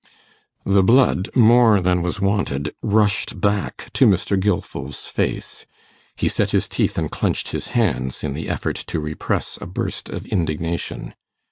The blood more than was wanted rushed back to Mr. Gilfil's face; he set his teeth and clenched his hands in the effort to repress a burst of indignation.